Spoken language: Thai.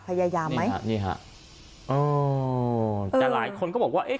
พยายามไหมฮะนี่ฮะอ๋อแต่หลายคนก็บอกว่าเอ๊ะ